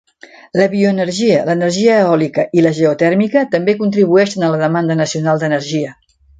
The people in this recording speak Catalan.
La bioenergia, l'energia eòlica i la geotèrmica també contribueixen a la demanda nacional d'energia.